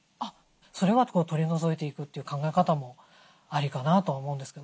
それは取り除いていくという考え方もありかなとは思うんですけど。